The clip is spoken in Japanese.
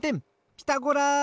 ピタゴラ！